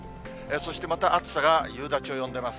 そしてまた、暑さが夕立を呼んでます。